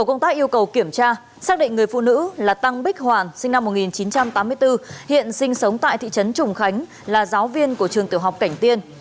tổ công tác yêu cầu kiểm tra xác định người phụ nữ là tăng bích hoàn sinh năm một nghìn chín trăm tám mươi bốn hiện sinh sống tại thị trấn trùng khánh là giáo viên của trường tiểu học cảnh tiên